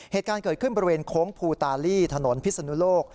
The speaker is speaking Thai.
เหตุการณ์เกิดขึ้นบริเวณโค้งภูตาลีถนนพิศนุโลก